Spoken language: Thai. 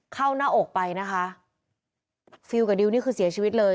เข้าหน้าอกไปนะคะฟิลกับดิวนี่คือเสียชีวิตเลย